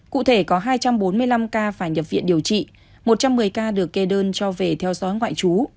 cụ thể có hai trăm bốn mươi năm ca phải nhập viện điều trị một trăm một mươi ca được kê đơn cho về theo dõi ngoại trú